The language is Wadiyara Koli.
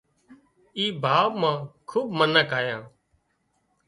اي ڀاوَ مان کوٻ منک آيان